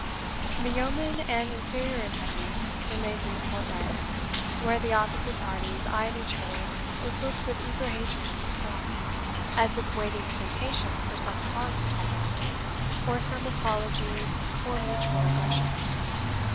The yeomen and inferior attendants remained in the courtyard, where the opposite parties eyed each other with looks of eager hatred and scorn, as if waiting with impatience for some cause of tumult, or some apology for mutual aggression.